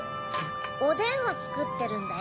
おでんをつくってるんだよ。